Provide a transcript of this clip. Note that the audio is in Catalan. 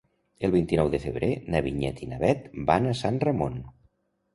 El vint-i-nou de febrer na Vinyet i na Bet van a Sant Ramon.